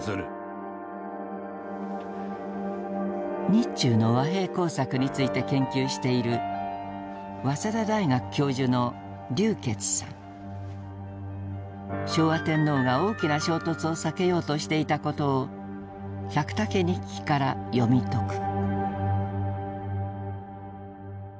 日中の和平工作について研究している昭和天皇が大きな衝突を避けようとしていたことを「百武日記」から読み解く。